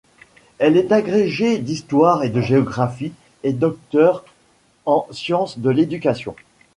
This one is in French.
Elle est agrégée d'histoire et de géographie et docteure en sciences de l'éducation.